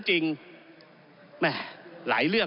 ก็ได้มีการอภิปรายในภาคของท่านประธานที่กรกครับ